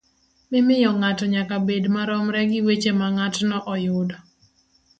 mimiyo ng'ato nyaka bed maromre gi weche ma ng'atno oyudo.